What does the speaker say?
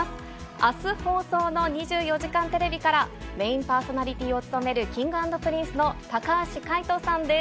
あす放送の２４時間テレビから、メインパーソナリティーを務めるＫｉｎｇ＆Ｐｒｉｎｃｅの高橋海人さんです。